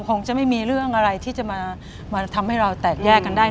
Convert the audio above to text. คงจะไม่มีเรื่องอะไรที่จะมาทำให้เราแตกแยกกันได้